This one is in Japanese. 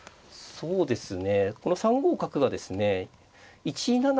そうですね。